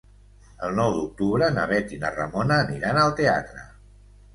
El nou d'octubre na Bet i na Ramona aniran al teatre.